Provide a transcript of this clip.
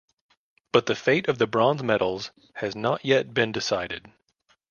But the fate of the bronze medals has not yet been decided.